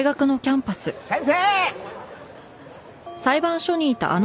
先生！